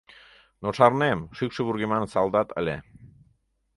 Но шарнем, шӱкшӧ вургеман салдат ыле...